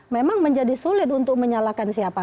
memang menjadi sulit untuk menyalahkan siapa